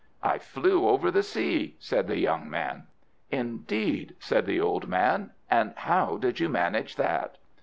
"I flew over the sea," said the young man. "Indeed!" said the old man. "And how did you manage that?"